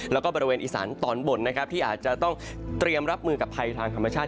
และอีสานตอนบนที่อาจจะต้องเตรียมรับมือกับภัยทางธรรมชาติ